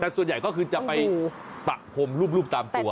แต่ส่วนใหญ่ก็คือจะไปปะพรมรูปตามตัว